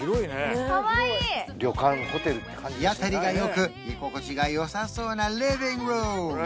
日当たりがよく居心地がよさそうなリビングルーム